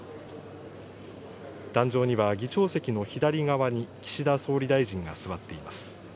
壇上には議長席の左側に岸田総理大臣が座っています。